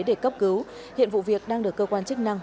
để cấp cứu hiện vụ việc đang được cơ quan chức năng